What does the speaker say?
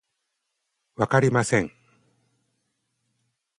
わかりません